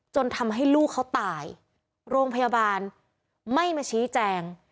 จนทำให้ลูกเขาตายโรงพยาบาลไม่มาชี้แจง